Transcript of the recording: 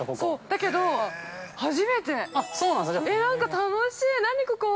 だけど、初めて！え、なんか楽しい何、ここ。